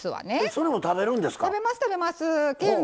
それも食べるんですか？